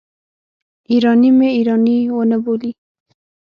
ایراني مې ایراني ونه بولي.